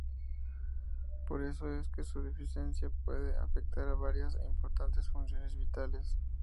Por eso es que su deficiencia puede afectar varias e importantes funciones vitales.